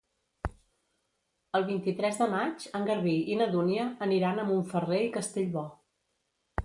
El vint-i-tres de maig en Garbí i na Dúnia aniran a Montferrer i Castellbò.